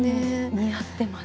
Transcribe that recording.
似合ってます。